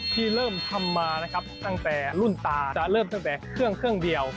ที่เริ่มทำมานะครับตั้งแต่รุ่นตาจะเริ่มตั้งแต่เครื่องเครื่องเดียว